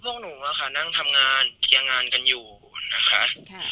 พวกหนูอะค่ะนั่งทำงานเคลียร์งานกันอยู่นะคะ